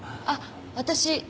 あっ私